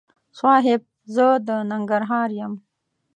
صاحب! زه د ننګرهار یم.